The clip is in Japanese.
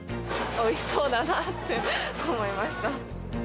おいしそうだなって思いました。